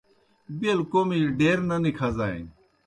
بیل کوْمِجیْ ڈیر نہ نِکَھزانیْ۔